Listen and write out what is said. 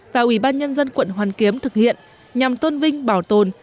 và ủy ban nhân dân quận hoàn kiếm thực hiện nhằm tôn vinh bảo tồn